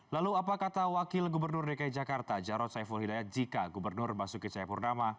lalu apa kata wakil gubernur dki jakarta jarod saiful hidayat jika gubernur basuki cahayapurnama